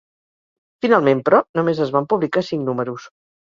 Finalment però, només es van publicar cinc números.